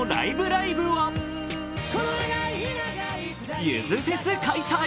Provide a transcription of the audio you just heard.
ライブ！」はゆずフェス開催。